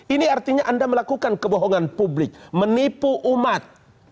ini artinya anda melakukan kebohongan publik menipu umat